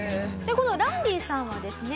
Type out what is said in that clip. このランディさんはですね